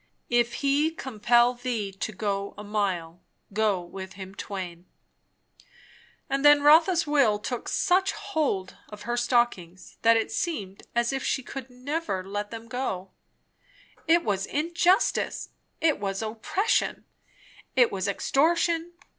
"If he compel thee to go a mile, go with him twain." And then Rotha's will took such a hold of her stockings, that it seemed as if she never could let them go. It was injustice! it was oppression! it was extortion!